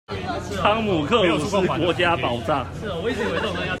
湯姆克魯斯國家寶藏